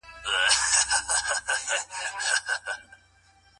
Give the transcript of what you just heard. د عقيدوي مسايلو لپاره جبر هيڅکله ګټه نه لري.